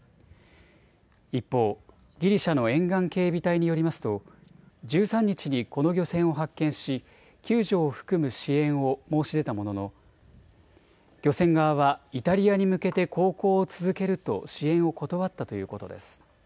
一方、ギリシャの沿岸警備隊によりますと１３日にこの漁船を発見し救助を含む支援を申し出たものの漁船側はイタリアに向けて航行を続けると支援を断ったということです。